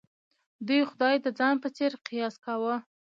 دوی خدای د ځان په څېر قیاس کاوه.